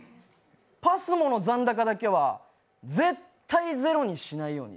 ＰＡＳＭＯの残高だけは絶対に０にしないように。